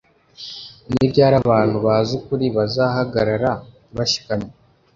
Ni ryari abantu bazi ukuri bazahagarara bashikamye